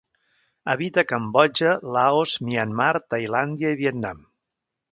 Habita a Cambodja, Laos, Myanmar, Tailàndia i Vietnam.